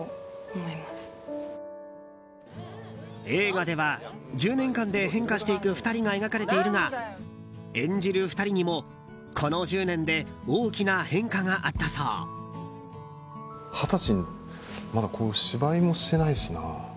映画では１０年間で変化していく２人が描かれているが演じる２人にもこの１０年で大きな変化があったそう。